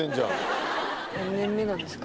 何年目なんですか？